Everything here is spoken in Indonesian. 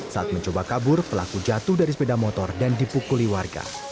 saat mencoba kabur pelaku jatuh dari sepeda motor dan dipukuli warga